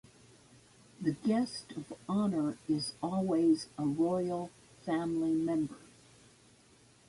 The Guest of Honour is always a Royal family member.